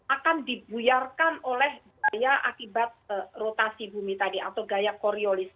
akan dibuyarkan oleh gaya koriolis